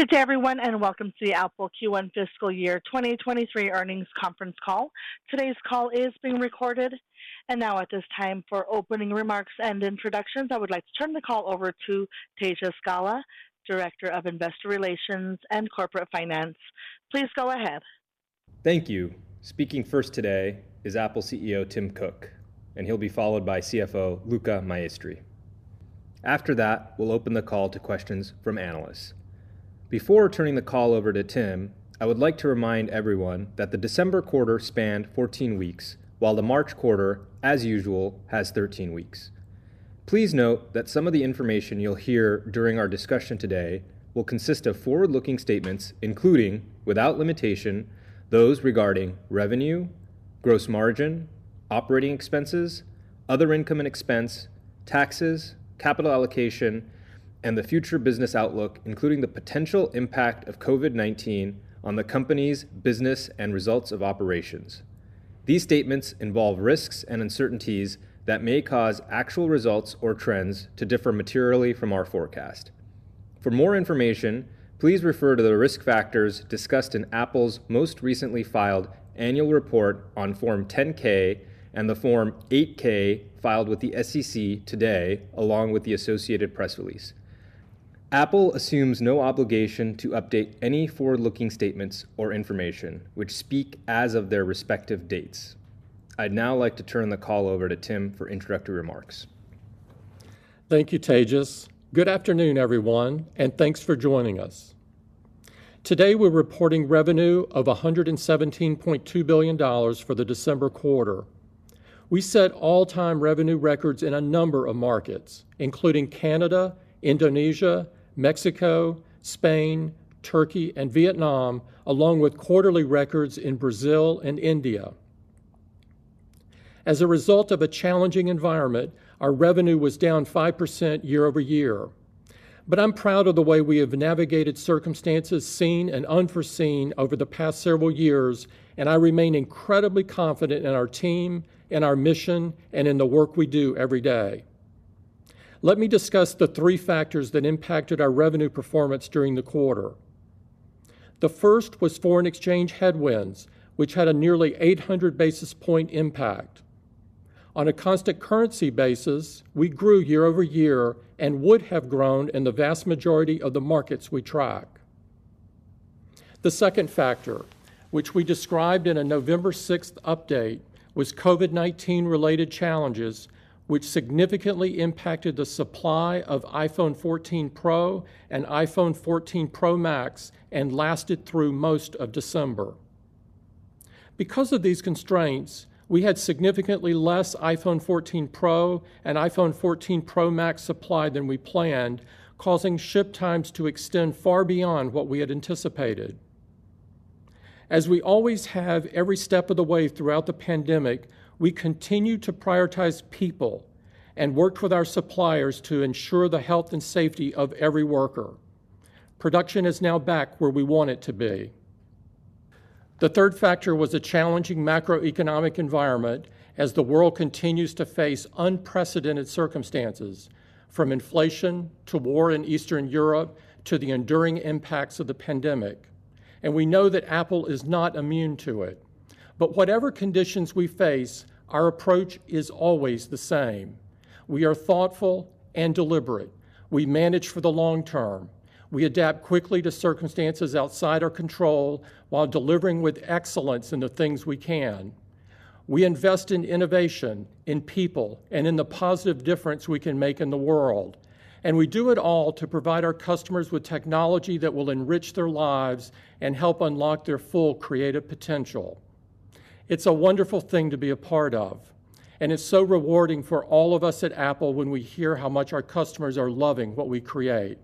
Good day everyone, welcome to the Apple Q1 Fiscal Year 2023 Earnings Conference Call. Today's call is being recorded. Now at this time for opening remarks and introductions, I would like to turn the call over to Tejas Gala, Director of Investor Relations and Corporate Finance. Please go ahead. Thank you. Speaking first today is Apple CEO Tim Cook, and he'll be followed by CFO Luca Maestri. After that, we'll open the call to questions from analysts. Before turning the call over to Tim, I would like to remind everyone that the December quarter spanned 14 weeks, while the March quarter, as usual, has 13 weeks. Please note that some of the information you'll hear during our discussion today will consist of forward-looking statements, including, without limitation, those regarding revenue, gross margin, operating expenses, other income and expense, taxes, capital allocation, and the future business outlook, including the potential impact of COVID-19 on the company's business and results of operations. These statements involve risks and uncertainties that may cause actual results or trends to differ materially from our forecast. For more information, please refer to the risk factors discussed in Apple's most recently filed annual report on Form 10-K and the Form 8-K filed with the SEC today, along with the associated press release. Apple assumes no obligation to update any forward-looking statements or information, which speak as of their respective dates. I'd now like to turn the call over to Tim for introductory remarks. Thank you, Tejas. Good afternoon, everyone, and thanks for joining us. Today we're reporting revenue of $117.2 billion for the December quarter. We set all-time revenue records in a number of markets, including Canada, Indonesia, Mexico, Spain, Turkey, and Vietnam, along with quarterly records in Brazil and India. As a result of a challenging environment, our revenue was down 5% year-over-year. I'm proud of the way we have navigated circumstances seen and unforeseen over the past several years, and I remain incredibly confident in our team, in our mission, and in the work we do every day. Let me discuss the three factors that impacted our revenue performance during the quarter. The first was foreign exchange headwinds, which had a nearly 800 basis points impact. On a constant currency basis, we grew year-over-year and would have grown in the vast majority of the markets we track. The second factor, which we described in a November sixth update, was COVID-19-related challenges, which significantly impacted the supply of iPhone 14 Pro and iPhone 14 Pro Max and lasted through most of December. Because of these constraints, we had significantly less iPhone 14 Pro and iPhone 14 Pro Max supply than we planned, causing ship times to extend far beyond what we had anticipated. As we always have every step of the way throughout the pandemic, we continue to prioritize people and worked with our suppliers to ensure the health and safety of every worker. Production is now back where we want it to be. The third factor was a challenging macroeconomic environment as the world continues to face unprecedented circumstances, from inflation to war in Eastern Europe to the enduring impacts of the pandemic. We know that Apple is not immune to it. Whatever conditions we face, our approach is always the same. We are thoughtful and deliberate. We manage for the long term. We adapt quickly to circumstances outside our control while delivering with excellence in the things we can. We invest in innovation, in people, and in the positive difference we can make in the world. We do it all to provide our customers with technology that will enrich their lives and help unlock their full creative potential. It's a wonderful thing to be a part of, and it's so rewarding for all of us at Apple when we hear how much our customers are loving what we create.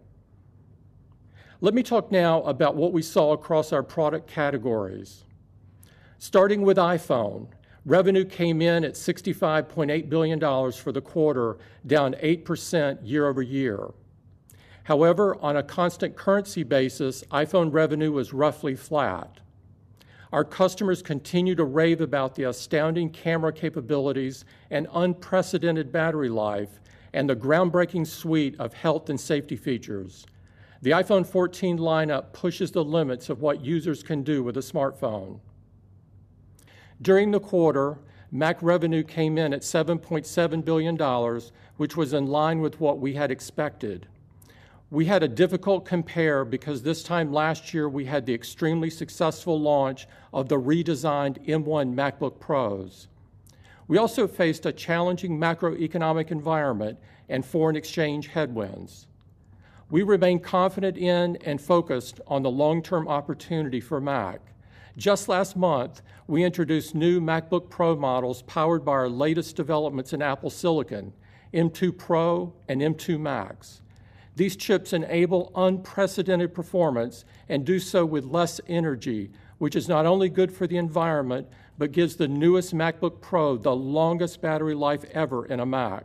Let me talk now about what we saw across our product categories. Starting with iPhone, revenue came in at $65.8 billion for the quarter, down 8% year-over-year. However, on a constant currency basis, iPhone revenue was roughly flat. Our customers continue to rave about the astounding camera capabilities and unprecedented battery life and the groundbreaking suite of health and safety features. The iPhone 14 lineup pushes the limits of what users can do with a smartphone. During the quarter, Mac revenue came in at $7.7 billion, which was in line with what we had expected. We had a difficult compare because this time last year we had the extremely successful launch of the redesigned M1 MacBook Pros. We also faced a challenging macroeconomic environment and foreign exchange headwinds. We remain confident in and focused on the long-term opportunity for Mac. Just last month, we introduced new MacBook Pro models powered by our latest developments in Apple silicon, M2 Pro and M2 Max. These chips enable unprecedented performance and do so with less energy, which is not only good for the environment, but gives the newest MacBook Pro the longest battery life ever in a Mac.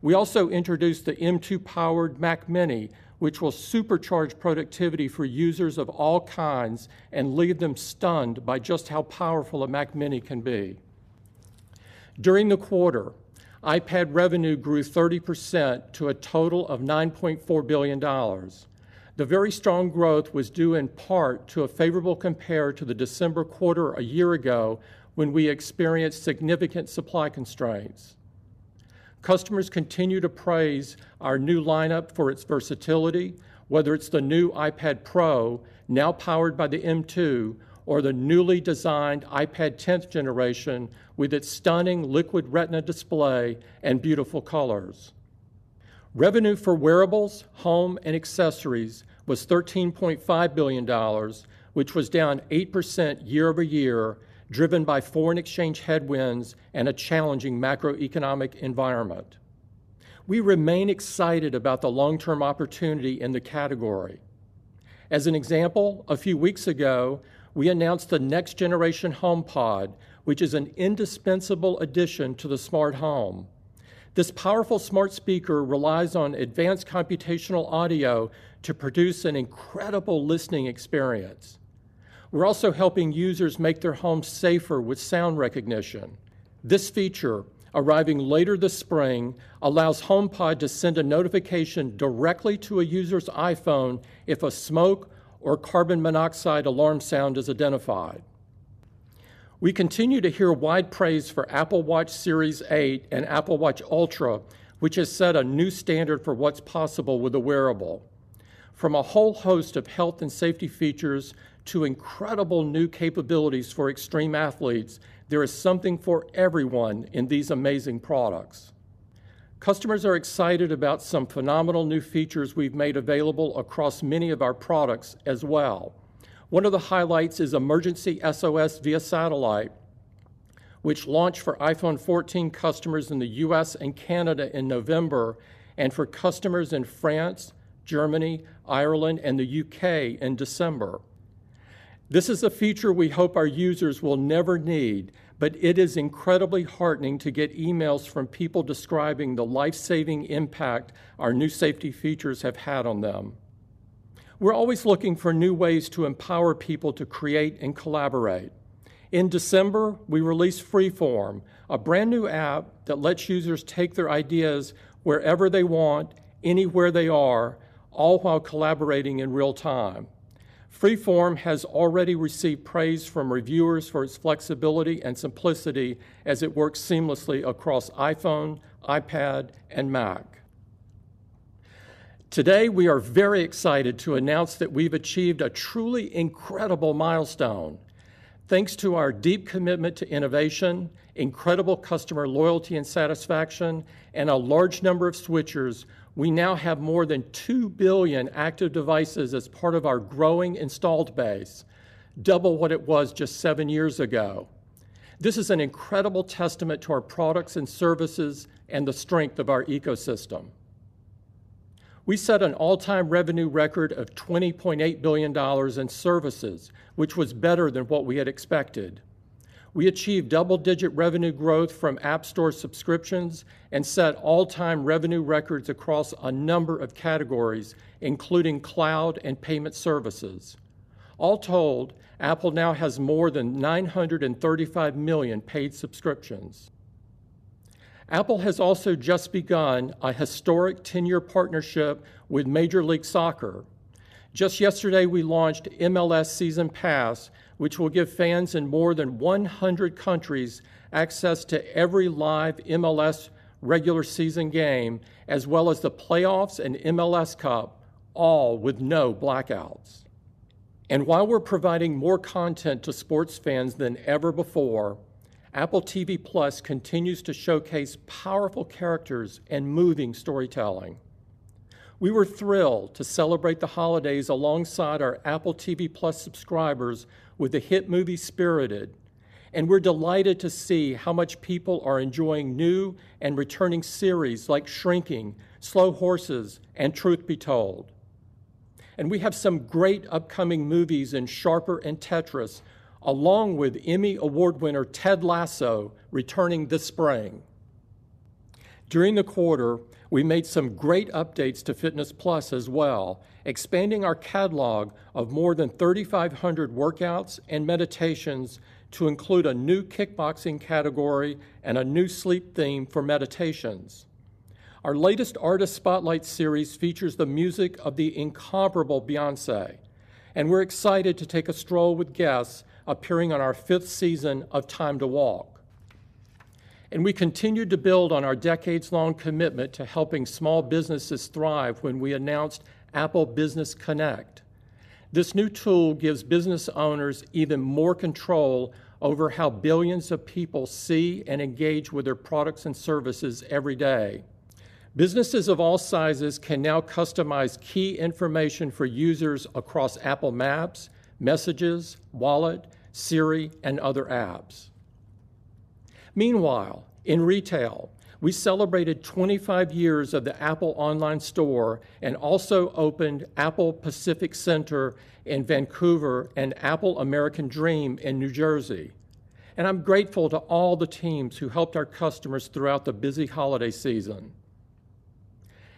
We also introduced the M2-powered Mac mini, which will supercharge productivity for users of all kinds and leave them stunned by just how powerful a Mac mini can be. During the quarter, iPad revenue grew 30% to a total of $9.4 billion. The very strong growth was due in part to a favorable compare to the December quarter a year ago when we experienced significant supply constraints. Customers continue to praise our new lineup for its versatility, whether it's the new iPad Pro now powered by the M2 or the newly designed iPad 10th generation with its stunning Liquid Retina display and beautiful colors. Revenue for wearables, home, and accessories was $13.5 billion, which was down 8% year-over-year, driven by foreign exchange headwinds and a challenging macroeconomic environment. We remain excited about the long-term opportunity in the category. As an example, a few weeks ago, we announced the next-generation HomePod, which is an indispensable addition to the smart home. This powerful smart speaker relies on advanced computational audio to produce an incredible listening experience. We're also helping users make their homes safer with Sound Recognition. This feature, arriving later this spring, allows HomePod to send a notification directly to a user's iPhone if a smoke or carbon monoxide alarm sound is identified. We continue to hear wide praise for Apple Watch Series 8 and Apple Watch Ultra, which has set a new standard for what's possible with a wearable. From a whole host of health and safety features to incredible new capabilities for extreme athletes, there is something for everyone in these amazing products. Customers are excited about some phenomenal new features we've made available across many of our products as well. One of the highlights is Emergency SOS via satellite, which launched for iPhone 14 customers in the U.S. and Canada in November and for customers in France, Germany, Ireland, and the U.K. in December. This is a feature we hope our users will never need, but it is incredibly heartening to get emails from people describing the life-saving impact our new safety features have had on them. We're always looking for new ways to empower people to create and collaborate. In December, we released Freeform, a brand-new app that lets users take their ideas wherever they want, anywhere they are, all while collaborating in real time. Freeform has already received praise from reviewers for its flexibility and simplicity as it works seamlessly across iPhone, iPad, and Mac. Today, we are very excited to announce that we've achieved a truly incredible milestone. Thanks to our deep commitment to innovation, incredible customer loyalty and satisfaction, and a large number of switchers, we now have more than 2 billion active devices as part of our growing installed base, double what it was just seven years ago. This is an incredible testament to our products and services and the strength of our ecosystem. We set an all-time revenue record of $20.8 billion in services, which was better than what we had expected. We achieved double-digit revenue growth from App Store subscriptions and set all-time revenue records across a number of categories, including cloud and payment services. All told, Apple now has more than 935 million paid subscriptions. Apple has also just begun a historic ten-year partnership with Major League Soccer. Just yesterday, we launched MLS Season Pass, which will give fans in more than 100 countries access to every live MLS regular-season game, as well as the playoffs and MLS Cup, all with no blackouts. While we're providing more content to sports fans than ever before, Apple TV+ continues to showcase powerful characters and moving storytelling. We were thrilled to celebrate the holidays alongside our Apple TV+ subscribers with the hit movie Spirited. We're delighted to see how much people are enjoying new and returning series like Shrinking, Slow Horses, and Truth Be Told. We have some great upcoming movies in Sharper and Tetris, along with Emmy Award winner Ted Lasso returning this spring. During the quarter, we made some great updates to Fitness+ as well, expanding our catalog of more than 3,500 workouts and meditations to include a new kickboxing category and a new sleep theme for meditations. Our latest Artist Spotlight series features the music of the incomparable Beyoncé, and we're excited to take a stroll with guests appearing on our fifth season of Time to Walk. We continued to build on our decades-long commitment to helping small businesses thrive when we announced Apple Business Connect. This new tool gives business owners even more control over how billions of people see and engage with their products and services every day. Businesses of all sizes can now customize key information for users across Apple Maps, Messages, Wallet, Siri, and other apps. Meanwhile, in retail, we celebrated 25 years of the Apple Online Store and also opened Apple Pacific Center in Vancouver and Apple American Dream in New Jersey. I'm grateful to all the teams who helped our customers throughout the busy holiday season.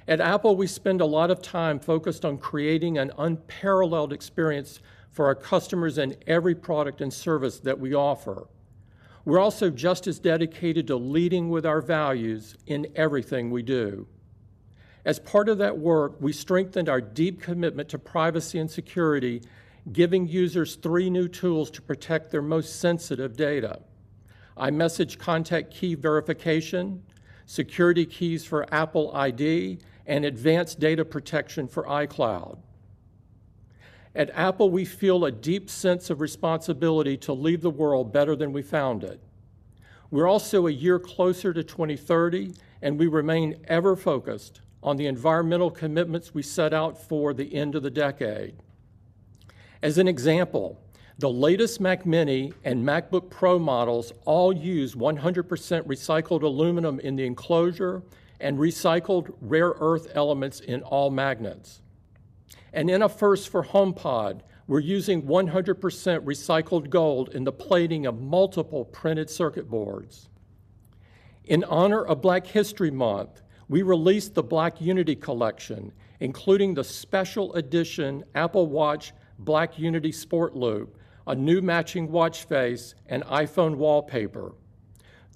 At Apple, we spend a lot of time focused on creating an unparalleled experience for our customers in every product and service that we offer. We're also just as dedicated to leading with our values in everything we do. As part of that work, we strengthened our deep commitment to privacy and security, giving users three new tools to protect their most sensitive data: iMessage Contact Key Verification, security keys for Apple ID, and advanced data protection for iCloud. At Apple, we feel a deep sense of responsibility to leave the world better than we found it. We're also a year closer to 2030, and we remain ever focused on the environmental commitments we set out for the end of the decade. As an example, the latest Mac mini and MacBook Pro models all use 100% recycled aluminum in the enclosure and recycled rare earth elements in all magnets. In a first for HomePod, we're using 100% recycled gold in the plating of multiple printed circuit boards. In honor of Black History Month, we released the Black Unity collection, including the special edition Apple Watch Black Unity Sport Loop, a new matching watch face, and iPhone wallpaper.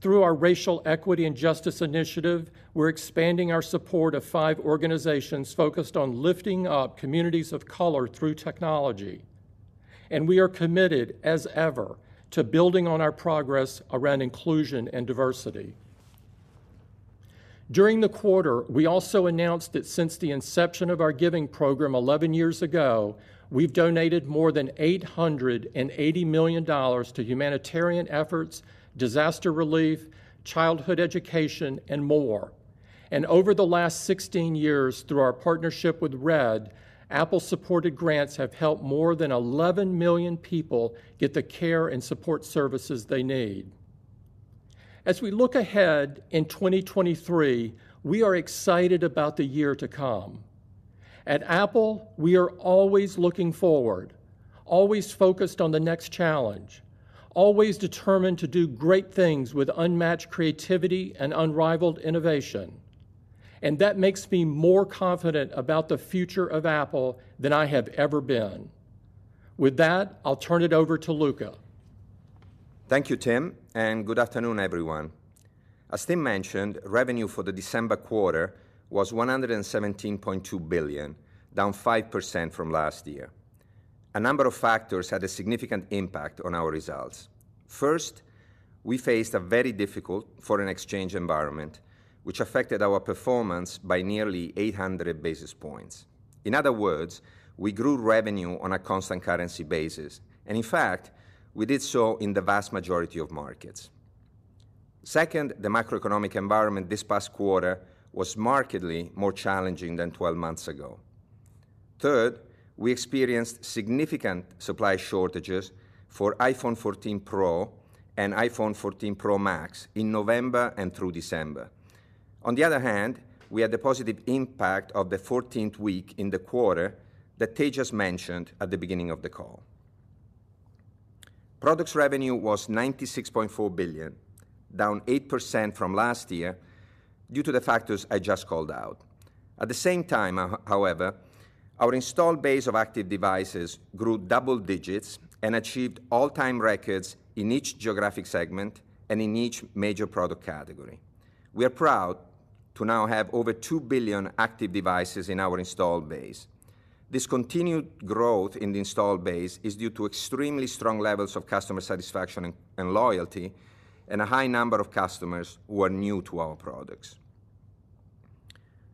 Through our racial equity and justice initiative, we're expanding our support of five organizations focused on lifting up communities of color through technology. We are committed as ever to building on our progress around inclusion and diversity. During the quarter, we also announced that since the inception of our giving program 11 years ago, we've donated more than $880 million to humanitarian efforts, disaster relief, childhood education, and more. Over the last 16 years, through our partnership with RED, Apple-supported grants have helped more than 11 million people get the care and support services they need. As we look ahead in 2023, we are excited about the year to come. At Apple, we are always looking forward, always focused on the next challenge, always determined to do great things with unmatched creativity and unrivaled innovation. That makes me more confident about the future of Apple than I have ever been. With that, I'll turn it over to Luca. Thank you, Tim. Good afternoon, everyone. As Tim mentioned, revenue for the December quarter was $117.2 billion, down 5% from last year. A number of factors had a significant impact on our results. First, we faced a very difficult foreign exchange environment, which affected our performance by nearly 800 basis points. In other words, we grew revenue on a constant currency basis, and in fact, we did so in the vast majority of markets. Second, the macroeconomic environment this past quarter was markedly more challenging than 12 months ago. Third, we experienced significant supply shortages for iPhone 14 Pro and iPhone 14 Pro Max in November and through December. On the other hand, we had the positive impact of the 14th week in the quarter that Tej mentioned at the beginning of the call. Products revenue was $96.4 billion, down 8% from last year due to the factors I just called out. At the same time, however, our installed base of active devices grew double digits and achieved all-time records in each geographic segment and in each major product category. We are proud to now have over 2 billion active devices in our installed base. This continued growth in the installed base is due to extremely strong levels of customer satisfaction and loyalty and a high number of customers who are new to our products.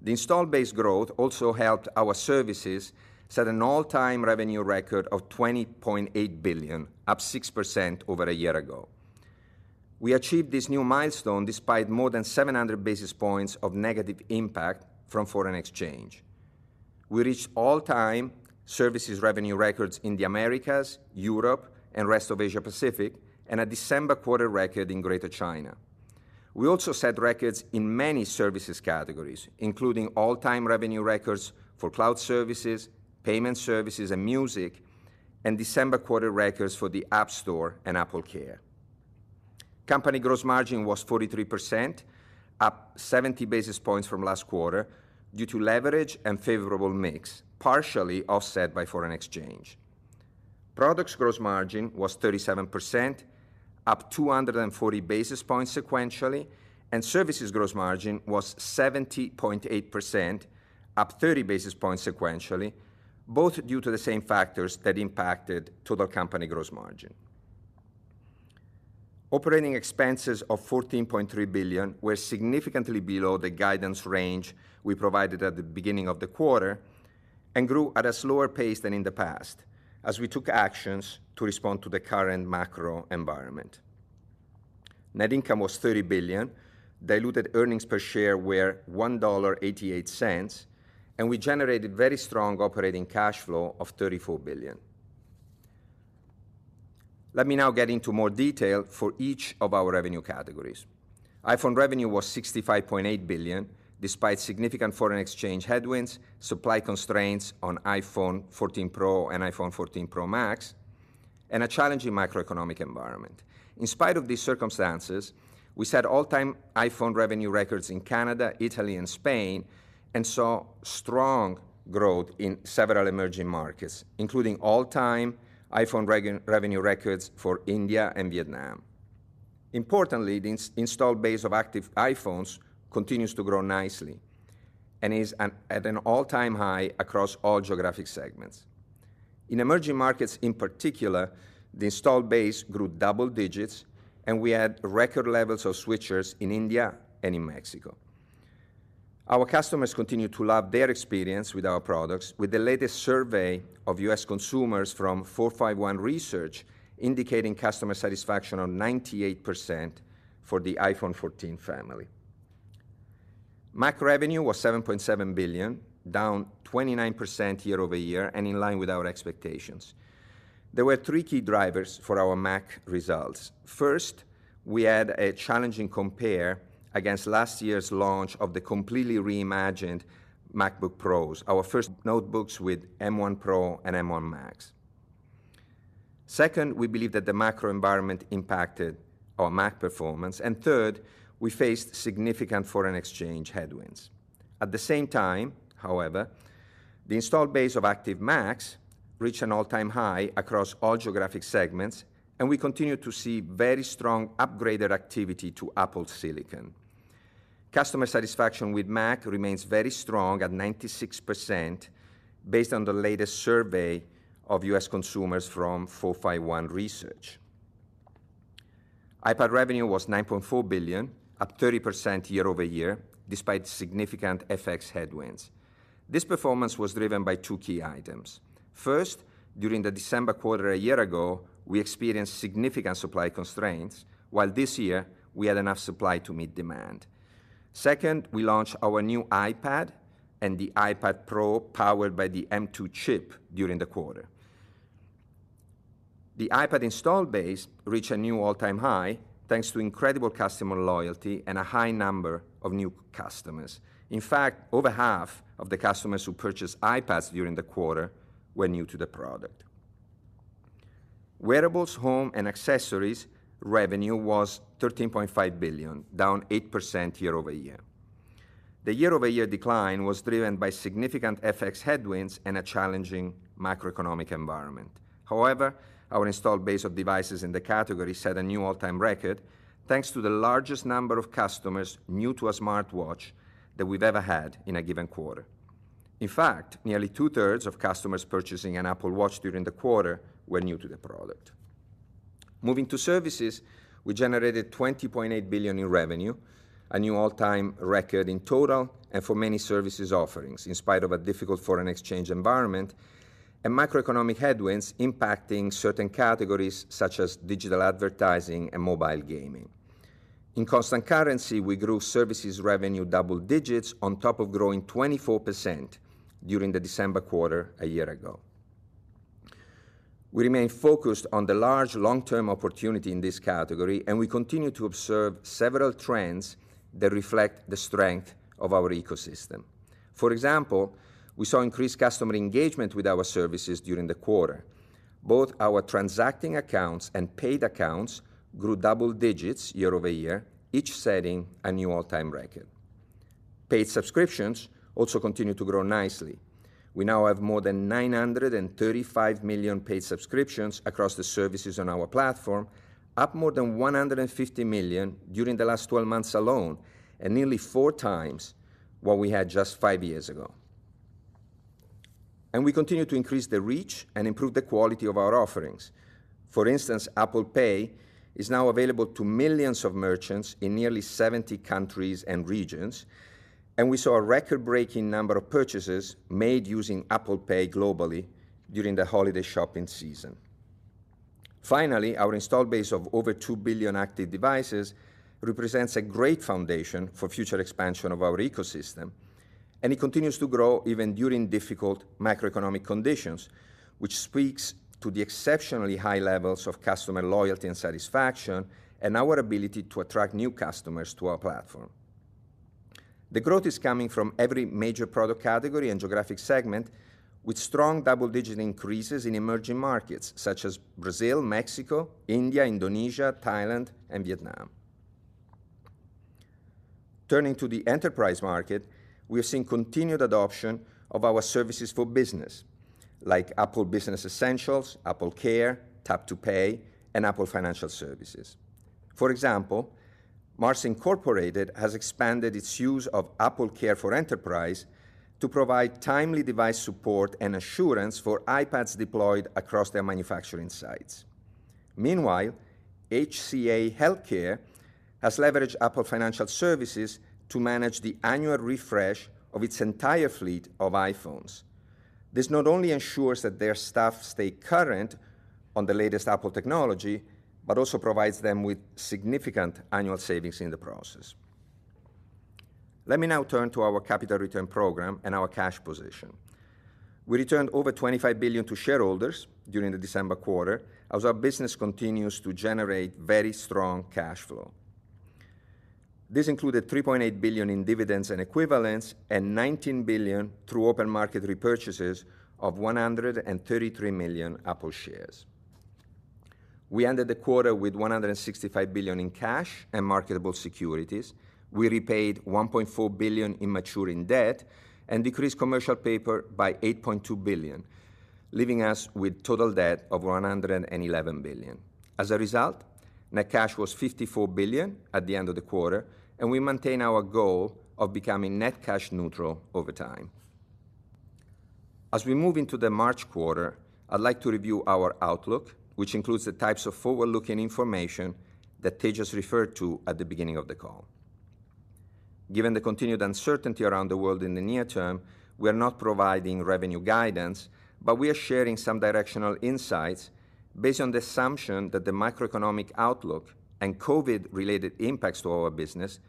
The installed base growth also helped our services set an all-time revenue record of $20.8 billion, up 6% over a year ago. We achieved this new milestone despite more than 700 basis points of negative impact from foreign exchange. We reached all-time services revenue records in the Americas, Europe, and rest of Asia-Pacific and a December quarter record in Greater China. We also set records in many services categories, including all-time revenue records for cloud services, payment services, and music, and December quarter records for the App Store and AppleCare. Company gross margin was 43%, up 70 basis points from last quarter due to leverage and favorable mix, partially offset by foreign exchange. Products gross margin was 37%, up 240 basis points sequentially, and services gross margin was 70.8%, up 30 basis points sequentially, both due to the same factors that impacted total company gross margin. Operating expenses of $14.3 billion were significantly below the guidance range we provided at the beginning of the quarter and grew at a slower pace than in the past as we took actions to respond to the current macro environment. Net income was $30 billion. Diluted earnings per share were $1.88, and we generated very strong operating cash flow of $34 billion. Let me now get into more detail for each of our revenue categories. iPhone revenue was $65.8 billion, despite significant foreign exchange headwinds, supply constraints on iPhone 14 Pro and iPhone 14 Pro Max. A challenging macroeconomic environment. In spite of these circumstances, we set all-time iPhone revenue records in Canada, Italy, and Spain, and saw strong growth in several emerging markets, including all-time iPhone revenue records for India and Vietnam. Importantly, the installed base of active iPhones continues to grow nicely and is at an all-time high across all geographic segments. In emerging markets in particular, the installed base grew double digits, we had record levels of switchers in India and in Mexico. Our customers continue to love their experience with our products with the latest survey of U.S. consumers from 451 Research indicating customer satisfaction of 98% for the iPhone 14 family. Mac revenue was $7.7 billion, down 29% year-over-year and in line with our expectations. There were three key drivers for our Mac results. First, we had a challenging compare against last year's launch of the completely reimagined MacBook Pros, our first notebooks with M1 Pro and M1 Max. Second, we believe that the macro environment impacted our Mac performance. Third, we faced significant foreign exchange headwinds. At the same time, however, the installed base of active Mac reached an all-time high across all geographic segments, and we continue to see very strong upgraded activity to Apple silicon. Customer satisfaction with Mac remains very strong at 96% based on the latest survey of U.S. consumers from 451 Research. iPad revenue was $9.4 billion, up 30% year-over-year, despite significant FX headwinds. This performance was driven by two key items. First, during the December quarter a year ago, we experienced significant supply constraints, while this year we had enough supply to meet demand. Second, we launched our new iPad and the iPad Pro powered by the M2 chip during the quarter. The iPad installed base reached a new all-time high, thanks to incredible customer loyalty and a high number of new customers. In fact, over half of the customers who purchased iPads during the quarter were new to the product. Wearables, home, and accessories revenue was $13.5 billion, down 8% year-over-year. The year-over-year decline was driven by significant FX headwinds and a challenging macroeconomic environment. However, our installed base of devices in the category set a new all-time record, thanks to the largest number of customers new to a smartwatch that we've ever had in a given quarter. In fact, nearly two-thirds of customers purchasing an Apple Watch during the quarter were new to the product. Moving to services, we generated $20.8 billion in revenue, a new all-time record in total, and for many services offerings, in spite of a difficult foreign exchange environment and macroeconomic headwinds impacting certain categories such as digital advertising and mobile gaming. In constant currency, we grew services revenue double digits on top of growing 24% during the December quarter a year-ago. We remain focused on the large long-term opportunity in this category, and we continue to observe several trends that reflect the strength of our ecosystem. For example, we saw increased customer engagement with our services during the quarter. Both our transacting accounts and paid accounts grew double digits year-over-year, each setting a new all-time record. Paid subscriptions also continued to grow nicely. We now have more than 935 million paid subscriptions across the services on our platform, up more than 150 million during the last 12 months alone, and nearly four times what we had just five years ago. We continue to increase the reach and improve the quality of our offerings. For instance, Apple Pay is now available to millions of merchants in nearly 70 countries and regions, we saw a record-breaking number of purchases made using Apple Pay globally during the holiday shopping season. Finally, our installed base of over 2 billion active devices represents a great foundation for future expansion of our ecosystem, it continues to grow even during difficult macroeconomic conditions, which speaks to the exceptionally high levels of customer loyalty and satisfaction and our ability to attract new customers to our platform. The growth is coming from every major product category and geographic segment with strong double-digit increases in emerging markets such as Brazil, Mexico, India, Indonesia, Thailand, and Vietnam. Turning to the enterprise market, we are seeing continued adoption of our services for business, like Apple Business Essentials, AppleCare, Tap to Pay, and Apple Financial Services. For example, Mars Incorporated has expanded its use of AppleCare for Enterprise to provide timely device support and assurance for iPads deployed across their manufacturing sites. Meanwhile, HCA Healthcare has leveraged Apple Financial Services to manage the annual refresh of its entire fleet of iPhones. This not only ensures that their staff stay current on the latest Apple technology, but also provides them with significant annual savings in the process. Let me now turn to our capital return program and our cash position. We returned over $25 billion to shareholders during the December quarter as our business continues to generate very strong cash flow. This included $3.8 billion in dividends and equivalents and $19 billion through open market repurchases of 133 million Apple shares. We ended the quarter with $165 billion in cash and marketable securities. We repaid $1.4 billion in maturing debt and decreased commercial paper by $8.2 billion, leaving us with total debt of $111 billion. As a result, net cash was $54 billion at the end of the quarter, and we maintain our goal of becoming net cash neutral over time. As we move into the March quarter, I'd like to review our outlook, which includes the types of forward-looking information that Tej just referred to at the beginning of the call. Given the continued uncertainty around the world in the near term, we are not providing revenue guidance, but we are sharing some directional insights based on the assumption that the macroeconomic outlook and COVID-related impacts to our business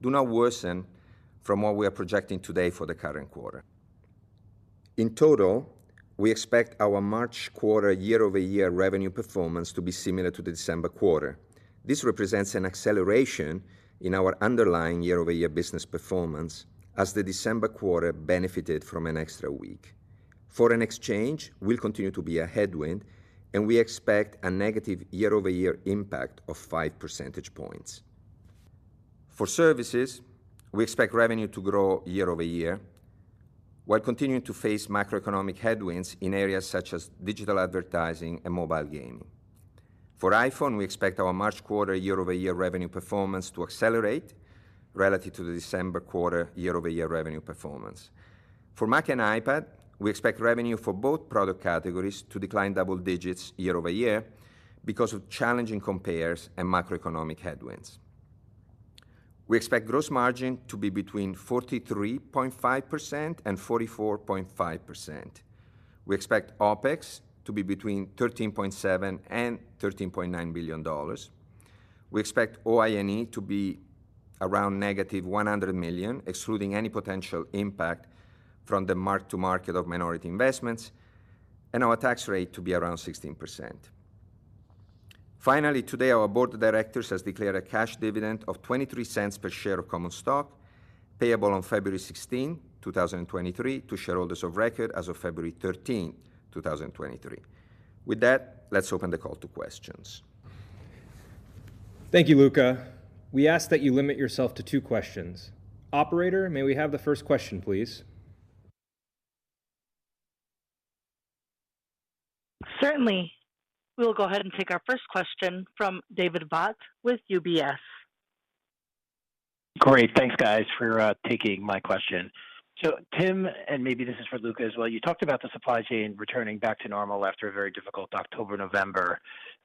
do not worsen from what we are projecting today for the current quarter. In total, we expect our March quarter year-over-year revenue performance to be similar to the December quarter. This represents an acceleration in our underlying year-over-year business performance as the December quarter benefited from an extra week. Foreign exchange will continue to be a headwind, and we expect a negative year-over-year impact of 5 percentage points. For services, we expect revenue to grow year-over-year while continuing to face macroeconomic headwinds in areas such as digital advertising and mobile gaming. For iPhone, we expect our March quarter year-over-year revenue performance to accelerate relative to the December quarter year-over-year revenue performance. For Mac and iPad, we expect revenue for both product categories to decline double digits year-over-year because of challenging compares and macroeconomic headwinds. We expect gross margin to be between 43.5% and 44.5%. We expect OpEx to be between $13.7 billion and $13.9 billion. We expect OINE to be around negative $100 million, excluding any potential impact from the mark-to-market of minority investments, and our tax rate to be around 16%. Finally, today, our board of directors has declared a cash dividend of $0.23 per share of common stock payable on February 16, 2023 to shareholders of record as of February 13, 2023. With that, let's open the call to questions. Thank you, Luca. We ask that you limit yourself to two questions. Operator, may we have the first question, please? Certainly. We will go ahead and take our first question from David Vogt with UBS. Great. Thanks, guys, for taking my question. Tim, and maybe this is for Luca as well, you talked about the supply chain returning back to normal after a very difficult October, November,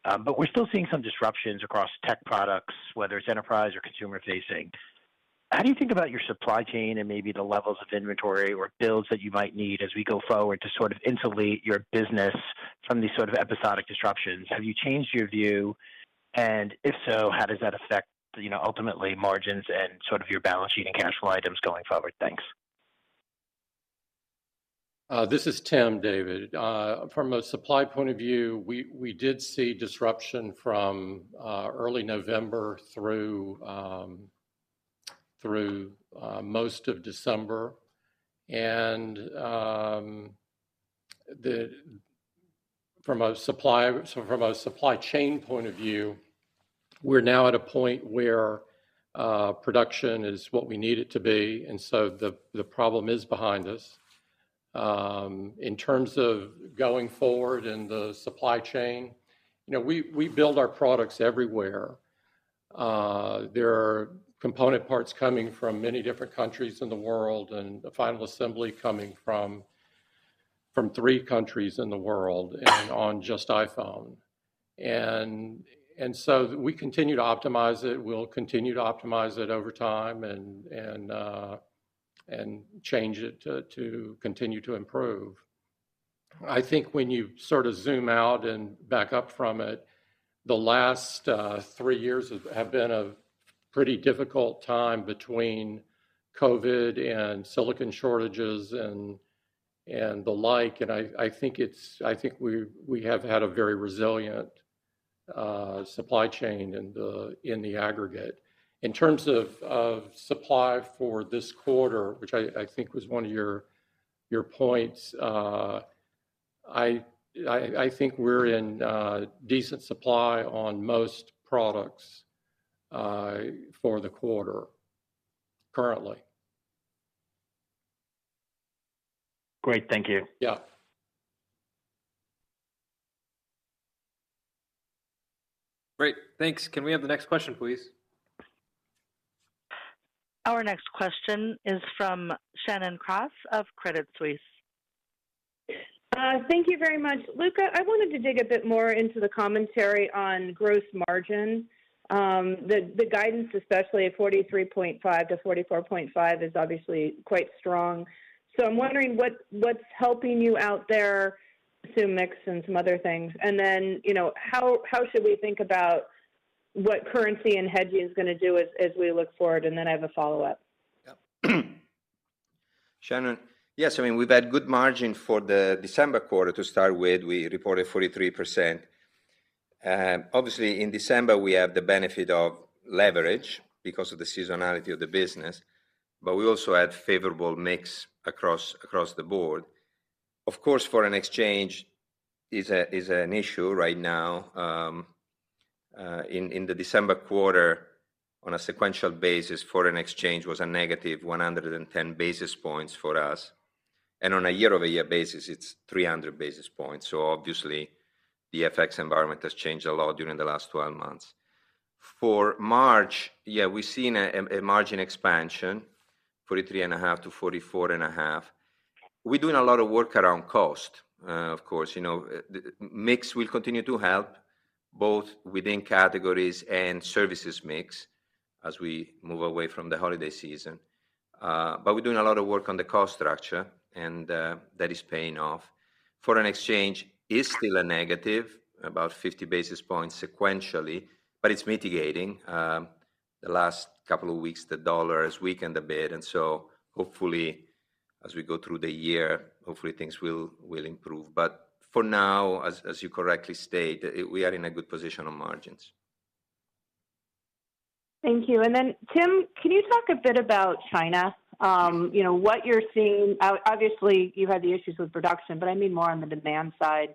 but we're still seeing some disruptions across tech products, whether it's enterprise or consumer-facing. How do you think about your supply chain and maybe the levels of inventory or builds that you might need as we go forward to sort of insulate your business from these sort of episodic disruptions? Have you changed your view? If so, how does that affect, you know, ultimately margins and sort of your balance sheet and cash flow items going forward? Thanks. This is Tim, David. From a supply point of view, we did see disruption from early November through most of December. From a supply chain point of view, we're now at a point where production is what we need it to be, the problem is behind us. In terms of going forward in the supply chain, you know, we build our products everywhere. There are component parts coming from many different countries in the world and the final assembly coming from three countries in the world and on just iPhone. We continue to optimize it. We'll continue to optimize it over time and change it to continue to improve. I think when you sort of zoom out and back up from it, the last three years have been a pretty difficult time between COVID and silicon shortages and the like. I think we have had a very resilient supply chain in the aggregate. In terms of supply for this quarter, which I think was one of your points, I think we're in decent supply on most products for the quarter currently. Great. Thank you. Yeah. Great. Thanks. Can we have the next question, please? Our next question is from Shannon Cross of Credit Suisse. Thank you very much. Luca, I wanted to dig a bit more into the commentary on gross margin. The guidance, especially at 43.5%-44.5%, is obviously quite strong. I'm wondering what's helping you out there, assume mix and some other things. You know, how should we think about what currency and hedging is gonna do as we look forward? I have a follow-up. Shannon, yes, I mean, we've had good margin for the December quarter to start with. We reported 43%. Obviously in December we had the benefit of leverage because of the seasonality of the business, but we also had favorable mix across the board. Of course, foreign exchange is an issue right now. In the December quarter, on a sequential basis, foreign exchange was a negative 110 basis points for us. On a year-over-year basis, it's 300 basis points. Obviously the FX environment has changed a lot during the last 12 months. For March, we've seen a margin expansion, 43.5%-44.5%. We're doing a lot of work around cost, of course, you know. The mix will continue to help both within categories and services mix as we move away from the holiday season. We're doing a lot of work on the cost structure, and that is paying off. Foreign exchange is still a negative, about 50 basis points sequentially, but it's mitigating. The last couple of weeks, the dollar has weakened a bit, hopefully as we go through the year, hopefully things will improve. For now, as you correctly state, we are in a good position on margins. Thank you. Tim, can you talk a bit about China? you know, what you're seeing, obviously, you had the issues with production, but I mean more on the demand side.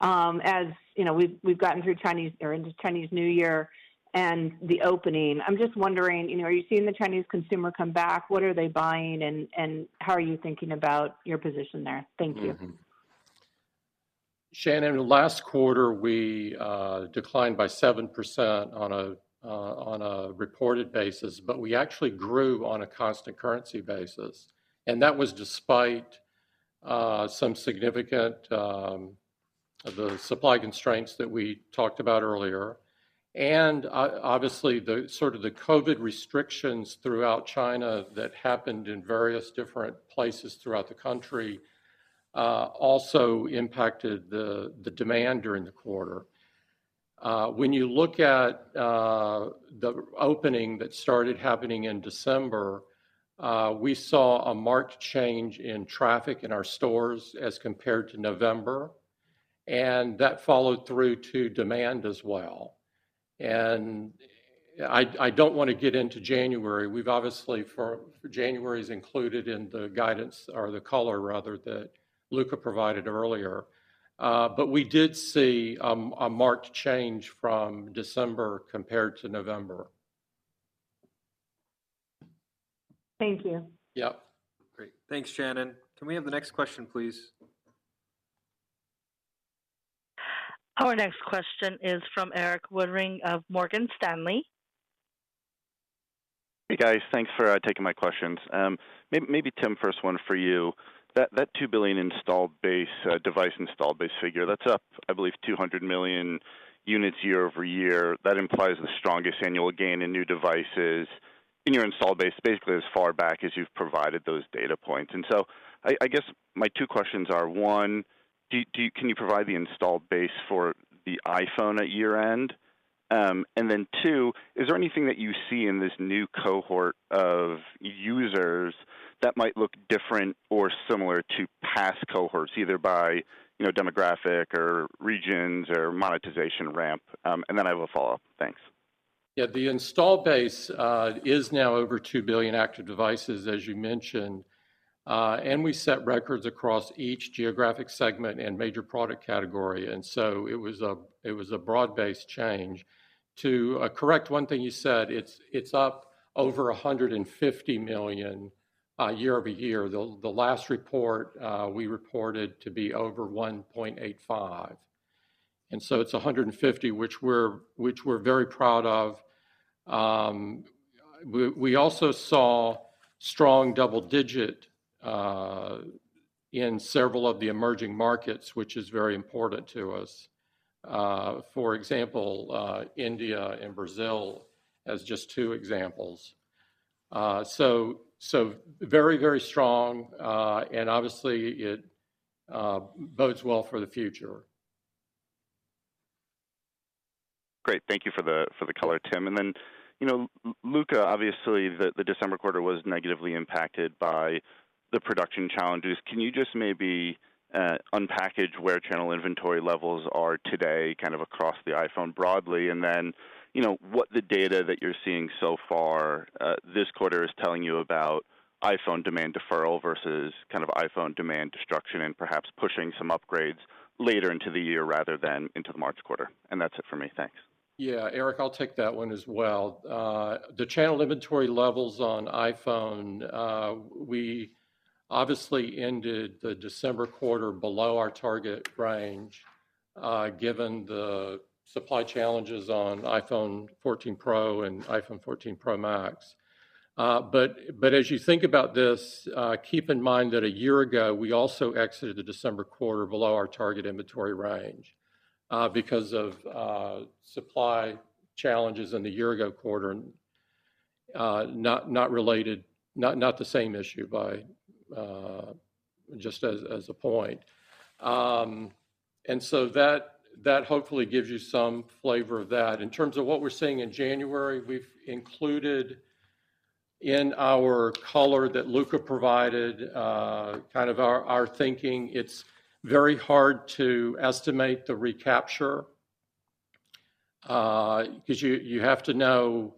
as, you know, we've gotten through Chinese or into Chinese New Year and the opening. I'm just wondering, you know, are you seeing the Chinese consumer come back? What are they buying? How are you thinking about your position there? Thank you. Shannon, last quarter we declined by 7% on a reported basis, but we actually grew on a constant currency basis. That was despite some significant supply constraints that we talked about earlier. Obviously, the sort of the COVID restrictions throughout China that happened in various different places throughout the country, also impacted the demand during the quarter. When you look at the opening that started happening in December, we saw a marked change in traffic in our stores as compared to November, and that followed through to demand as well. I don't wanna get into January. We've obviously January is included in the guidance or the color rather that Luca provided earlier. We did see a marked change from December compared to November. Thank you. Yep. Great. Thanks, Shannon. Can we have the next question, please? Our next question is from Erik Woodring of Morgan Stanley. Hey, guys. Thanks for taking my questions. Maybe Tim, first one for you. That 2 billion installed base device installed base figure, that's up, I believe, 200 million units year-over-year. That implies the strongest annual gain in new devices in your installed base, basically as far back as you've provided those data points. I guess my two questions are, one, can you provide the installed base for the iPhone at year-end? two, is there anything that you see in this new cohort of users that might look different or similar to past cohorts, either by, you know, demographic or regions or monetization ramp? I have a follow-up. Thanks. The install base is now over 2 billion active devices, as you mentioned. We set records across each geographic segment and major product category, and so it was a broad-based change. To correct one thing you said, it's up over $150 million year-over-year. The last report, we reported to be over 1.85. It's 150, which we're very proud of. We also saw strong double-digit in several of the emerging markets, which is very important to us. For example, India and Brazil as just two examples. Very, very strong, and obviously it bodes well for the future. Great. Thank you for the, for the color, Tim. you know, Luca, obviously the December quarter was negatively impacted by the production challenges. Can you just maybe unpackage where channel inventory levels are today, kind of across the iPhone broadly? you know, what the data that you're seeing so far, this quarter is telling you about iPhone demand deferral versus kind of iPhone demand destruction and perhaps pushing some upgrades later into the year rather than into the March quarter? That's it for me. Thanks. Yeah. Erik, I'll take that one as well. The channel inventory levels on iPhone, we obviously ended the December quarter below our target range, given the supply challenges on iPhone 14 Pro and iPhone 14 Pro Max. As you think about this, keep in mind that a year ago, we also exited the December quarter below our target inventory range, because of supply challenges in the year ago quarter, not related, not the same issue by. Just as a point. That hopefully gives you some flavor of that. In terms of what we're seeing in January, we've included in our color that Luca provided, kind of our thinking. It's very hard to estimate the recapture, 'cause you have to know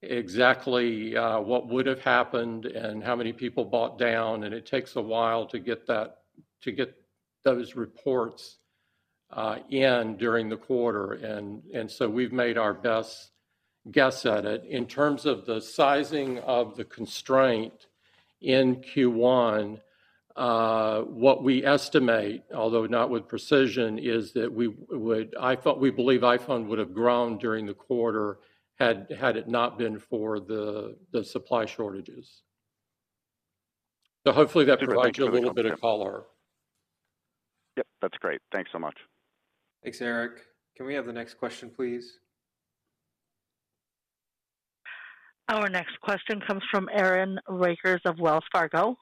exactly what would have happened and how many people bought down, and it takes a while to get those reports in during the quarter. We've made our best guess at it. In terms of the sizing of the constraint in Q1, what we estimate, although not with precision, is that we believe iPhone would have grown during the quarter had it not been for the supply shortages. Hopefully that provides you a little bit of color. Yep, that's great. Thanks so much. Thanks, Erik. Can we have the next question, please? Our next question comes from Aaron Rakers of Wells Fargo.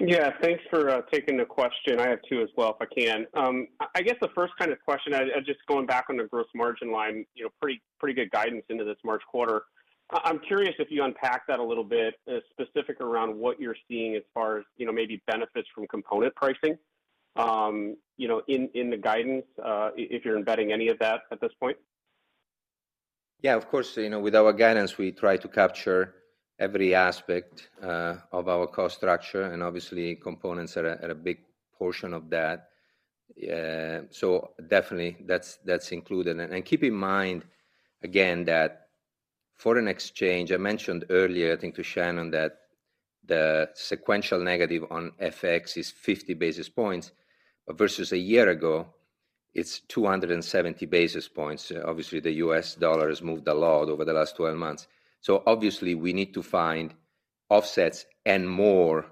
Yeah, thanks for taking the question. I have two as well if I can. I guess the first kind of question, just going back on the gross margin line, you know, pretty good guidance into this March quarter. I'm curious if you unpack that a little bit, specific around what you're seeing as far as, you know, maybe benefits from component pricing, you know, in the guidance, if you're embedding any of that at this point? Yeah, of course. You know, with our guidance, we try to capture every aspect of our cost structure, and obviously components are a big portion of that. So definitely that's included. Keep in mind again that foreign exchange, I mentioned earlier, I think to Shannon, that the sequential negative on FX is 50 basis points versus a year ago, it's 270 basis points. Obviously the U.S. dollar has moved a lot over the last 12 months. Obviously we need to find offsets and more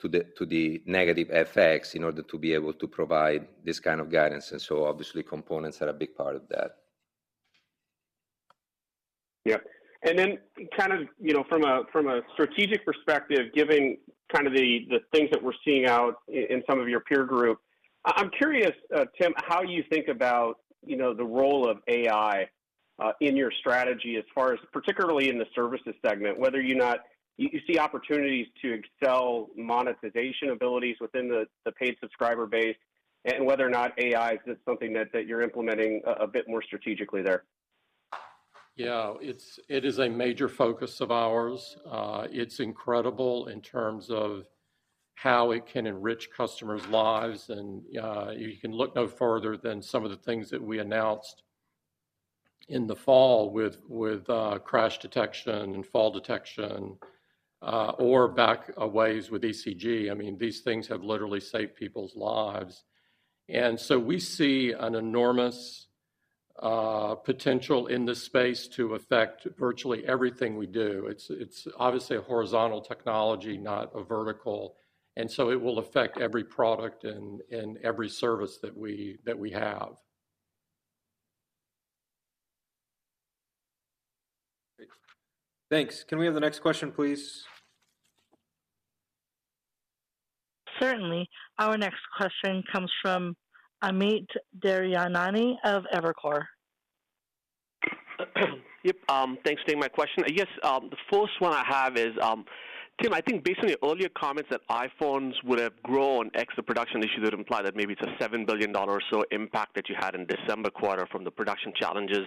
to the negative FX in order to be able to provide this kind of guidance. Obviously components are a big part of that. Yeah. Then kind of, you know, from a strategic perspective, giving kind of the things that we're seeing out in some of your peer group, I'm curious, Tim, how you think about, you know, the role of AI in your strategy as far as particularly in the services segment, whether or not you see opportunities to excel monetization abilities within the paid subscriber base, and whether or not AI is something that you're implementing a bit more strategically there. Yeah. It is a major focus of ours. It's incredible in terms of how it can enrich customers' lives and you can look no further than some of the things that we announced in the fall with Crash Detection and Fall Detection or back a ways with ECG. I mean, these things have literally saved people's lives. We see an enormous potential in this space to affect virtually everything we do. It's obviously a horizontal technology, not a vertical, and so it will affect every product and every service that we have. Great. Thanks. Can we have the next question, please? Certainly. Our next question comes from Amit Daryanani of Evercore. Yep. Thanks for taking my question. I guess the first one I have is, Tim, I think based on your earlier comments that iPhones would have grown ex the production issues would imply that maybe it's a $7 billion or so impact that you had in December quarter from the production challenges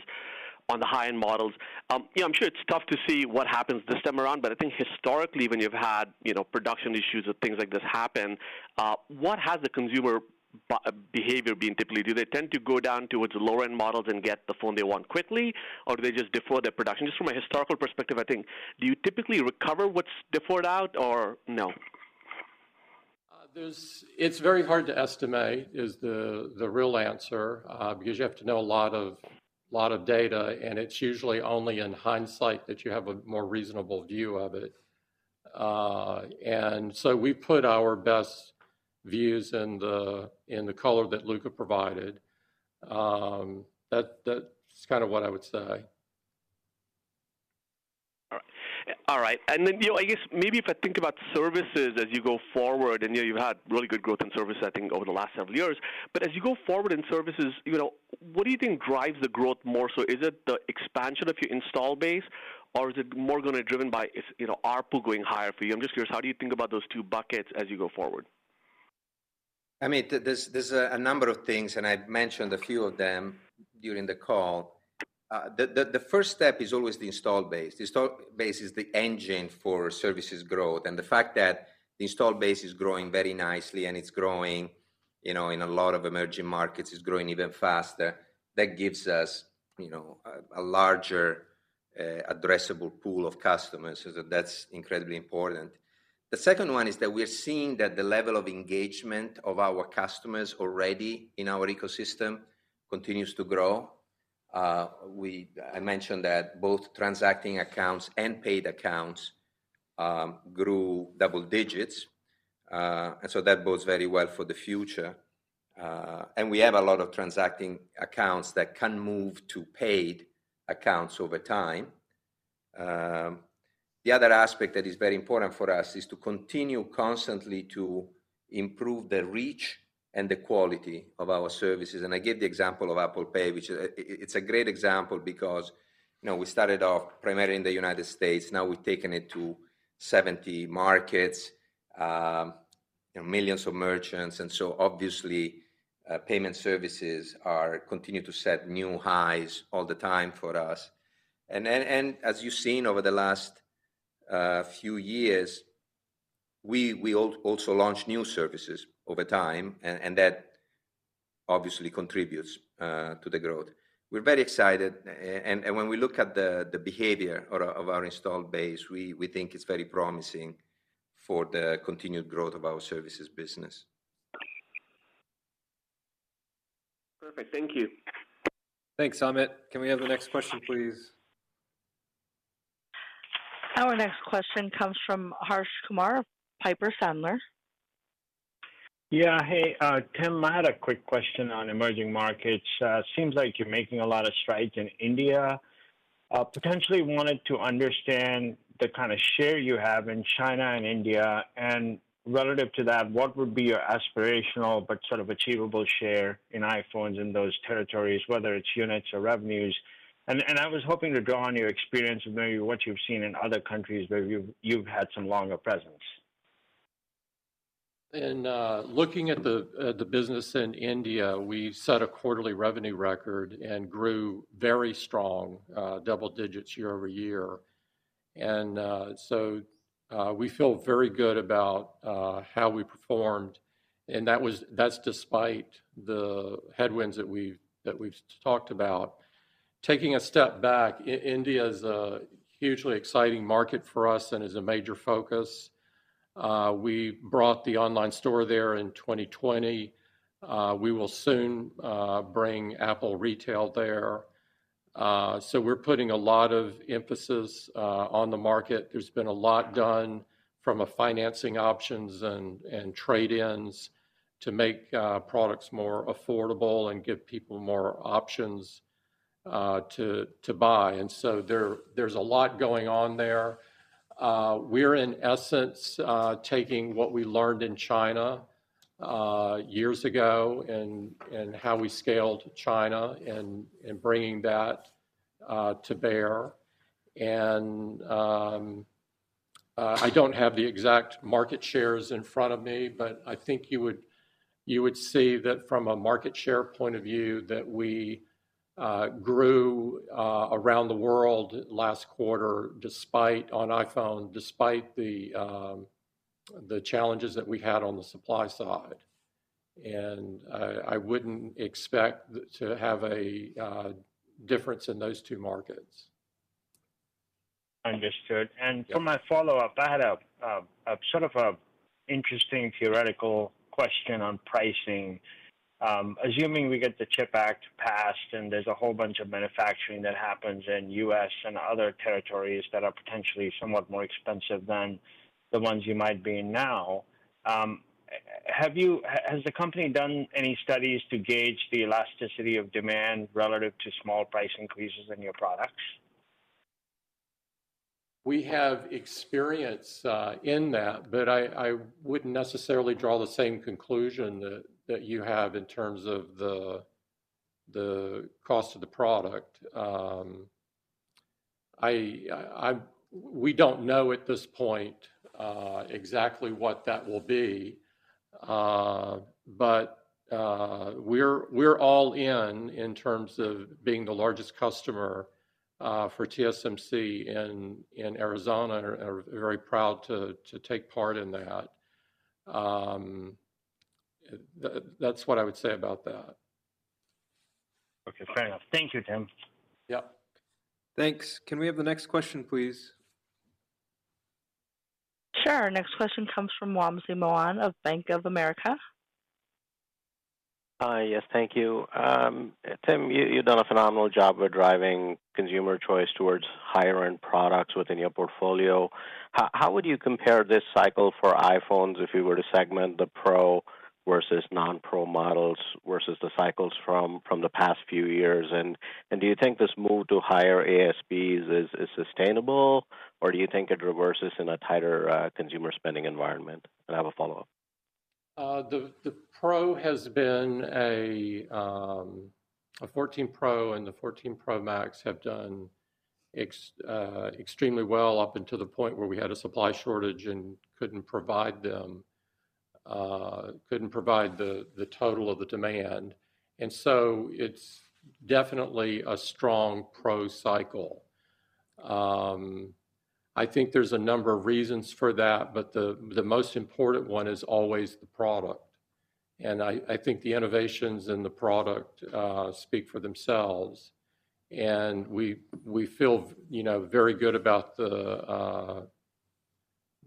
on the high-end models. You know, I'm sure it's tough to see what happens this time around, but I think historically when you've had, you know, production issues or things like this happen, what has the consumer behavior been typically? Do they tend to go down towards the lower-end models and get the phone they want quickly, or do they just defer their production? Just from a historical perspective, I think, do you typically recover what's deferred out or no? It's very hard to estimate is the real answer, because you have to know a lot of data, and it's usually only in hindsight that you have a more reasonable view of it. We put our best views in the color that Luca provided. That's kind of what I would say. All right. You know, I guess maybe if I think about services as you go forward, and, you know, you've had really good growth in service, I think, over the last several years. As you go forward in services, you know, what do you think drives the growth more so? Is it the expansion of your install base, or is it more gonna driven by if, you know, ARPU going higher for you? I'm just curious, how do you think about those two buckets as you go forward? I mean, there's a number of things, and I've mentioned a few of them during the call. The first step is always the install base. The install base is the engine for services growth. The fact that the install base is growing very nicely and it's growing, you know, in a lot of emerging markets, it's growing even faster, that gives us, you know, a larger addressable pool of customers. That's incredibly important. The second one is that we're seeing that the level of engagement of our customers already in our ecosystem continues to grow. I mentioned that both transacting accounts and paid accounts grew double digits. That bodes very well for the future. We have a lot of transacting accounts that can move to paid accounts over time. The other aspect that is very important for us is to continue constantly to improve the reach and the quality of our services. I give the example of Apple Pay, which it's a great example because, you know, we started off primarily in the United States, now we've taken it to 70 markets, you know, millions of merchants. Obviously, payment services continue to set new highs all the time for us. As you've seen over the last few years, we also launched new services over time, and that obviously contributes to the growth. We're very excited. When we look at the behavior of our installed base, we think it's very promising for the continued growth of our services business. Perfect. Thank you. Thanks, Amit. Can we have the next question, please? Our next question comes from Harsh Kumar of Piper Sandler. Yeah. Hey, Tim, I had a quick question on emerging markets. It seems like you're making a lot of strides in India. Potentially wanted to understand the kind of share you have in China and India, Relative to that, what would be your aspirational but sort of achievable share in iPhones in those territories, whether it's units or revenues. I was hoping to draw on your experience of maybe what you've seen in other countries where you've had some longer presence. In looking at the business in India, we've set a quarterly revenue record and grew very strong double digits year-over-year. We feel very good about how we performed, and that's despite the headwinds that we've talked about. Taking a step back, India is a hugely exciting market for us and is a major focus. We brought the Online Store there in 2020. We will soon bring Apple Retail there. We're putting a lot of emphasis on the market. There's been a lot done from a financing options and trade-ins to make products more affordable and give people more options to buy. There's a lot going on there. We're in essence, taking what we learned in China, years ago and how we scaled China and bringing that to bear. I don't have the exact market shares in front of me, but I think you would see that from a market share point of view, that we grew around the world last quarter despite, on iPhone, despite the challenges that we had on the supply side. I wouldn't expect to have a difference in those two markets. Understood. Yeah. For my follow-up, I had a sort of an interesting theoretical question on pricing. Assuming we get the CHIPS Act passed and there's a whole bunch of manufacturing that happens in the U.S. and other territories that are potentially somewhat more expensive than the ones you might be in now, has the company done any studies to gauge the elasticity of demand relative to small price increases in your products? We have experience in that, but I wouldn't necessarily draw the same conclusion that you have in terms of the cost of the product. We don't know at this point exactly what that will be. But we're all in in terms of being the largest customer for TSMC in Arizona, and we're very proud to take part in that. That's what I would say about that. Okay. Fair enough. Thank you, Tim. Yep. Thanks. Can we have the next question, please? Sure. Next question comes from Wamsi Mohan of Bank of America. Hi. Yes. Thank you. Tim, you've done a phenomenal job with driving consumer choice towards higher-end products within your portfolio. How would you compare this cycle for iPhones if you were to segment the Pro versus non-Pro models versus the cycles from the past few years? Do you think this move to higher ASPs is sustainable, or do you think it reverses in a tighter, consumer spending environment? I have a follow-up. The Pro has been a, the iPhone 14 Pro and the iPhone 14 Pro Max have done extremely well up until the point where we had a supply shortage and couldn't provide the total of the demand. It's definitely a strong Pro cycle. I think there's a number of reasons for that, but the most important one is always the product. I think the innovations in the product speak for themselves. We feel, you know, very good about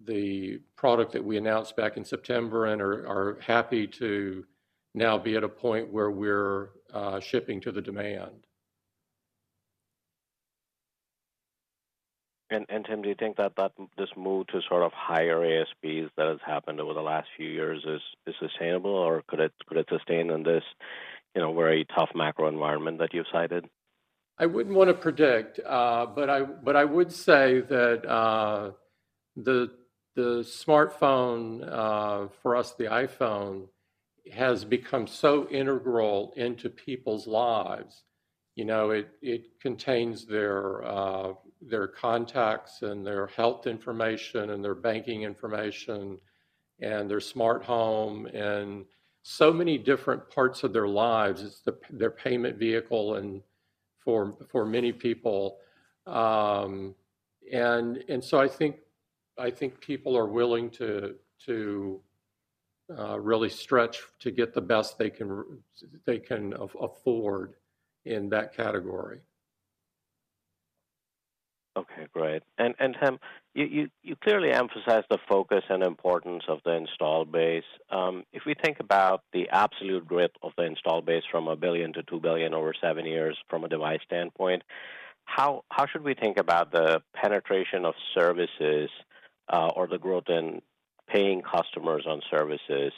the product that we announced back in September and are happy to now be at a point where we're shipping to the demand. Tim, do you think that this move to sort of higher ASPs that has happened over the last few years is sustainable, or could it sustain on this. You know, very tough macro environment that you've cited. I wouldn't wanna predict, but I would say that the smartphone, for us, the iPhone, has become so integral into people's lives. You know, it contains their contacts and their health information and their banking information and their smart home and so many different parts of their lives. It's their payment vehicle and for many people. So I think people are willing to really stretch to get the best they can afford in that category. Okay, great. Tim, you clearly emphasize the focus and importance of the installed base. If we think about the absolute growth of the installed base from $1 billion-$2 billion over seven years from a device standpoint, how should we think about the penetration of services, or the growth in paying customers on services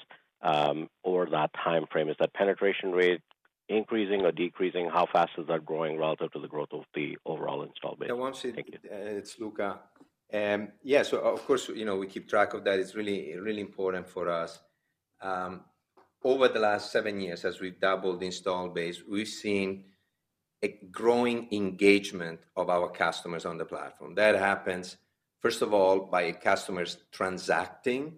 over that timeframe? Is that penetration rate increasing or decreasing? How fast is that growing relative to the growth of the overall installed base? Wamsi- Thank you. It's Luca. Yeah, of course, you know, we keep track of that. It's really, really important for us. Over the last seven years, as we've doubled the install base, we've seen a growing engagement of our customers on the platform. That happens, first of all, by customers transacting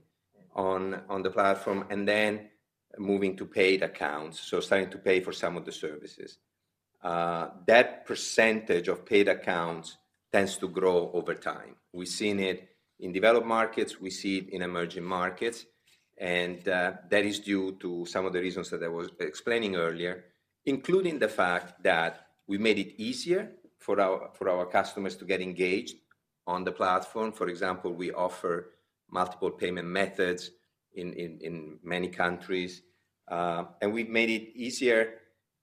on the platform and then moving to paid accounts, so starting to pay for some of the services. That percentage of paid accounts tends to grow over time. We've seen it in developed markets, we see it in emerging markets, and that is due to some of the reasons that I was explaining earlier, including the fact that we made it easier for our customers to get engaged on the platform. For example, we offer multiple payment methods in many countries, and we've made it easier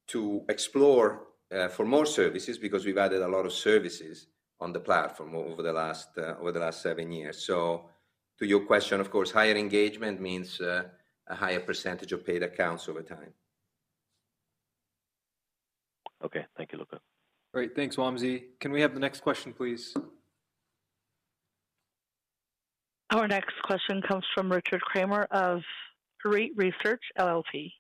to explore for more services because we've added a lot of services on the platform over the last seven years. To your question, of course, higher engagement means a higher percentage of paid accounts over time. Okay. Thank you, Luca. Great. Thanks, Wamsi. Can we have the next question, please? Our next question comes from Richard Kramer of Arete Research LLP.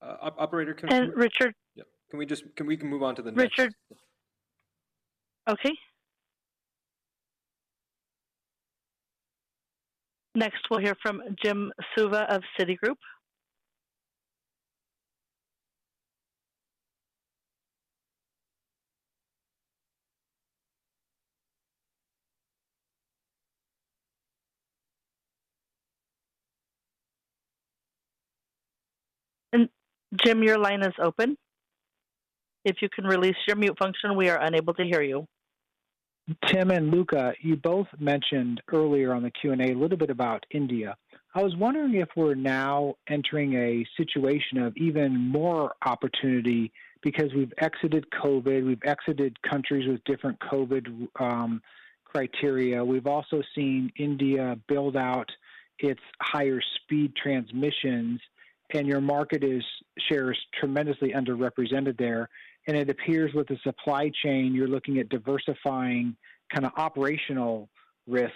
Operator. Richard. Yeah. Can we move on to the next? Richard. Okay. Next, we'll hear from Jim Suva of Citigroup. Jim, your line is open. If you can release your mute function, we are unable to hear you. Tim and Luca, you both mentioned earlier on the Q&A a little bit about India. I was wondering if we're now entering a situation of even more opportunity because we've exited COVID, we've exited countries with different COVID criteria. We've also seen India build out its higher speed transmissions, and your market share is tremendously underrepresented there. It appears with the supply chain, you're looking at diversifying kinda operational risk,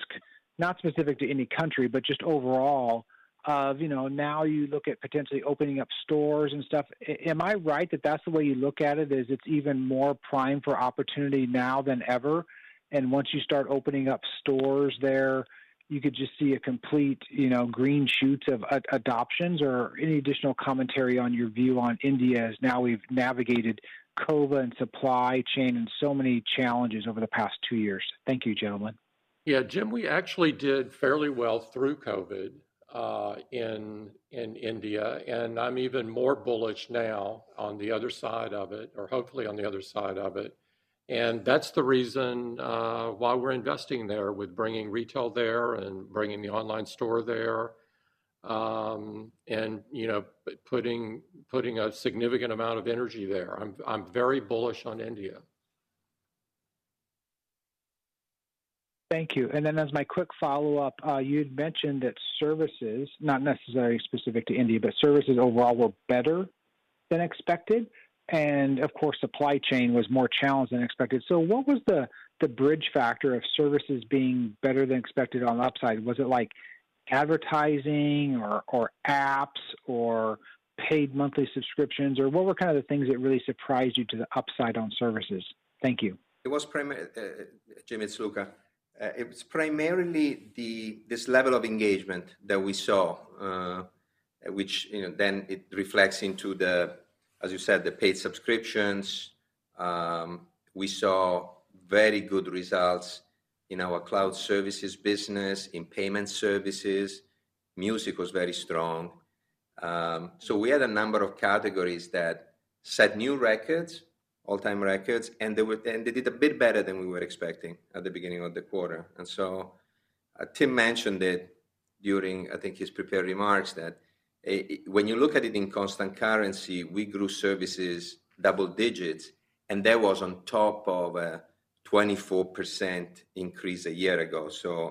not specific to any country, but just overall of, you know, now you look at potentially opening up stores and stuff. Am I right that that's the way you look at it, is it's even more prime for opportunity now than ever, and once you start opening up stores there, you could just see a complete, you know, green shoots of adoptions? Any additional commentary on your view on India as now we've navigated COVID and supply chain and so many challenges over the past two years. Thank you, gentlemen. Yeah, Jim, we actually did fairly well through COVID in India, I'm even more bullish now on the other side of it, or hopefully on the other side of it. That's the reason why we're investing there, with bringing retail there and bringing the online store there, and, you know, putting a significant amount of energy there. I'm very bullish on India. Thank you. Then as my quick follow-up, you'd mentioned that services, not necessarily specific to India, but services overall were better than expected and of course, supply chain was more challenged than expected. What was the bridge factor of services being better than expected on the upside? Was it like advertising or apps or paid monthly subscriptions? What were kind of the things that really surprised you to the upside on services? Thank you. Jim, it's Luca. It was primarily this level of engagement that we saw, which, you know, then it reflects into the, as you said, the paid subscriptions. We saw very good results in our cloud services business, in payment services. Music was very strong. We had a number of categories that set new records, all-time records, and they did a bit better than we were expecting at the beginning of the quarter. Tim mentioned it during, I think his prepared remarks that, when you look at it in constant currency, we grew services double digits, and that was on top of a 24% increase a year ago.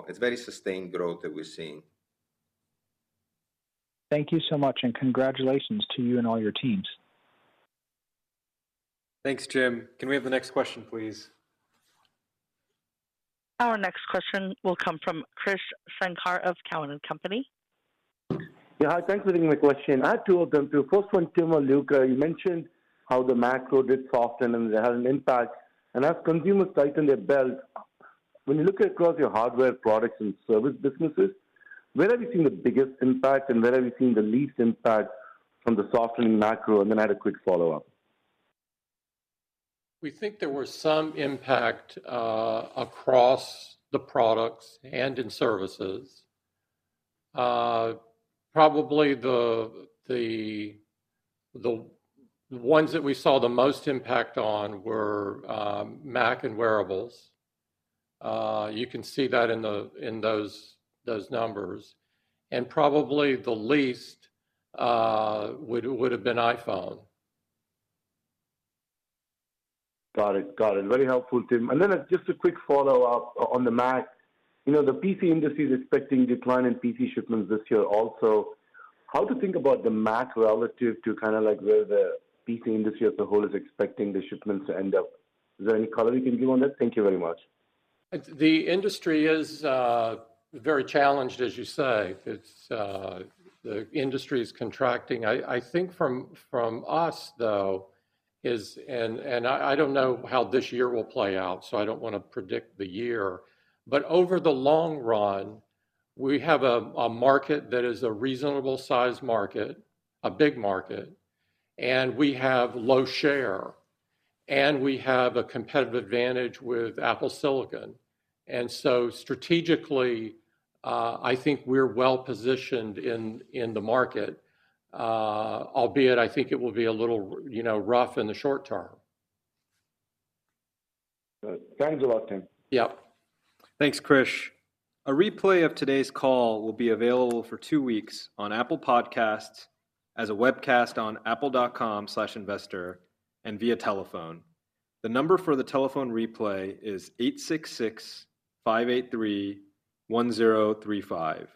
It's very sustained growth that we're seeing. Thank you so much, congratulations to you and all your teams. Thanks, Jim. Can we have the next question, please? Our next question will come from Krish Sankar of Cowen and Company. Yeah. Hi, thanks for taking my question. I have two of them. The first one, Tim or Luca, you mentioned how the macro did soften and it had an impact. As consumers tighten their belt, when you look across your hardware products and service businesses, where have you seen the biggest impact and where have you seen the least impact from the softening macro? I had a quick follow-up. We think there was some impact across the products and in services. Probably the ones that we saw the most impact on were Mac and Wearables. You can see that in those numbers. Probably the least would have been iPhone. Got it. Got it. Very helpful, Tim. Just a quick follow-up on the Mac. You know, the PC industry is expecting decline in PC shipments this year also. How to think about the Mac relative to kind of like where the PC industry as a whole is expecting the shipments to end up. Is there any color you can give on that? Thank you very much. The industry is very challenged, as you say. It's, the industry is contracting. I think from us, though, is. I don't know how this year will play out, so I don't wanna predict the year. Over the long run, we have a market that is a reasonable size market, a big market, and we have low share, and we have a competitive advantage with Apple Silicon. Strategically, I think we're well positioned in the market. Albeit I think it will be a little you know, rough in the short term. Good. Thanks a lot, Tim. Yep. Thanks, Krish. A replay of today's call will be available for two weeks on Apple Podcasts, as a webcast on apple.com/investor and via telephone. The number for the telephone replay is 8665831035.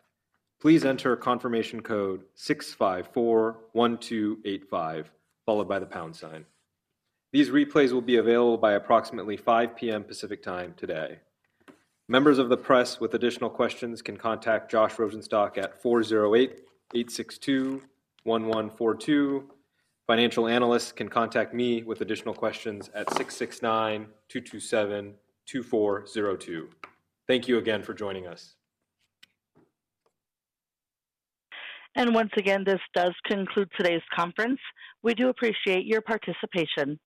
Please enter confirmation code 6541285, followed by the pound sign. These replays will be available by approximately 5:00 P.M. Pacific Time today. Members of the press with additional questions can contact Josh Rosenstock at 4088621142. Financial analysts can contact me with additional questions at 6692272402. Thank you again for joining us. Once again, this does conclude today's conference. We do appreciate your participation.